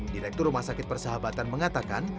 direktur rumah sakit persahabatan mengatakan